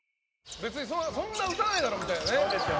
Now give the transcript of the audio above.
「別にそんな打たないだろみたいなね」